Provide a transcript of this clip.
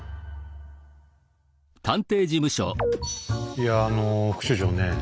いやあの副所長ねえ。